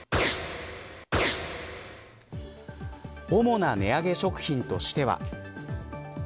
主な値上げ食品としては。